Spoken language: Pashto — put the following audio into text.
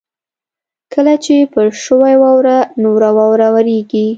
کله چې پر شوې واوره نوره واوره ورېږي